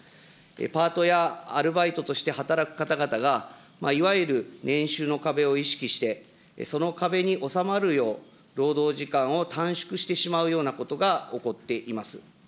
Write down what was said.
パートやアルバイトとして働く方々が、いわゆる年収の壁を意識して、その壁に収まるよう、労働時間を短縮してしまうようなことが起こっています。